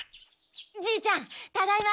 じーちゃんただいま。